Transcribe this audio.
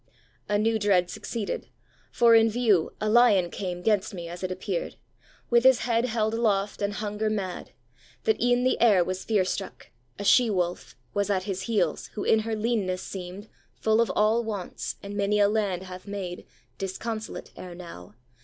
a new dread succeeded, for in view A lion came, 'gainst me, as it appeared, With his head held aloft and hunger mad. That e'en the air was fear struck. A she wolf Was at his heels, who in her leanness seemed Full of all wants, and many a land hath made Disconsolate ere now.